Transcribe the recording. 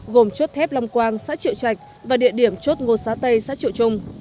gồm chốt thép long quang xã triệu trạch và địa điểm chốt ngô xá tây xã triệu trung